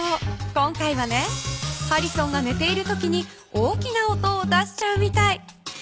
今回はねハリソンがねているときに大きな音を出しちゃうみたい。